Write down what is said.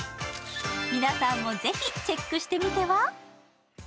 皆さんもぜひチェックしてみては。